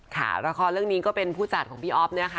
ค่ะละครเรื่องนี้ก็เป็นผู้จัดของพี่อ๊อฟเนี่ยค่ะ